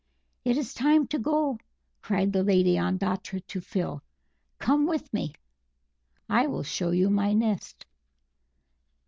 "It is time to go!" cried the Lady Ondatra to Phil; "come with me; I will show you my nest."